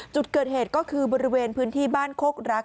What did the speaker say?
จุดเกิดเหตุก็คือบริเวณพื้นที่บ้านโคกรัก